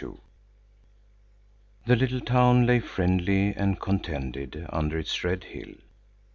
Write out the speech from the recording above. II The little town lay friendly and contented under its red hill.